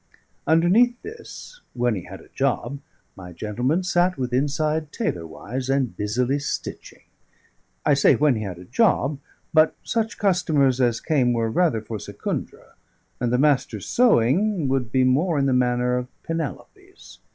Underneath this, when he had a job, my gentleman sat withinside tailor wise and busily stitching. I say, when he had a job; but such customers as came were rather for Secundra, and the Master's sewing would be more in the manner of Penelope's.